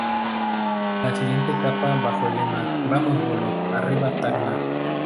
En la siguiente etapa bajo el lema ""¡Vamos Bolo!...¡Arriba Tacna!